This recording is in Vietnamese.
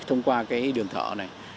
thông qua cái đường thở này